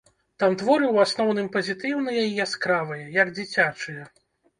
Там творы ў асноўным пазітыўныя і яскравыя, як дзіцячыя.